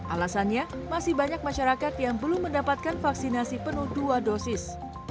alasannya masih banyak masyarakat yang belum mendapatkan vaksinasi penuh dua dosis